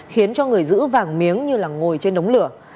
khiến cho người giữ vàng miếng như là ngồi trên đống lửa